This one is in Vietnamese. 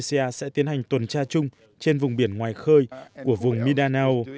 sẽ tiến hành tuần tra chung trên vùng biển ngoài khơi của vùng midanau